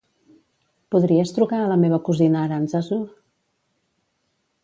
Podries trucar a la meva cosina Arantzazu?